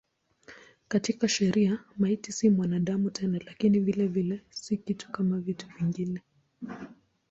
Katika sheria maiti si mwanadamu tena lakini vilevile si kitu kama vitu vingine.